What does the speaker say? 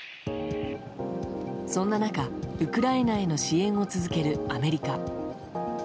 そんな中、ウクライナへの支援を続けるアメリカ。